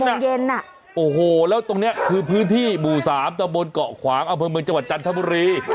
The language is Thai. โมงเย็นอ่ะโอ้โหแล้วตรงนี้คือพื้นที่หมู่๓ตะบนเกาะขวางอำเภอเมืองจังหวัดจันทบุรี